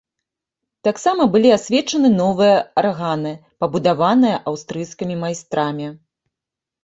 Таксама былі асвечаны новыя арганы, пабудаваныя аўстрыйскімі майстрамі.